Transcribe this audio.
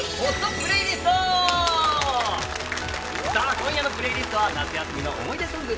今夜のプレイリストは夏休みの思い出ソング。